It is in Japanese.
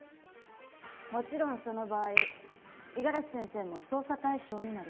もちろんその場合五十嵐先生も捜査対象になります。